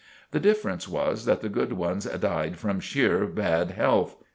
The difference was that the good ones died from sheer bad health.